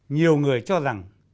nhiều người cho rằng